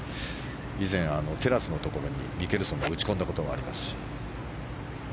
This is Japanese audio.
以前、テラスのところにミケルソンが打ち込んだことがあります。